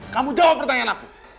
kamu jawab pertanyaan aku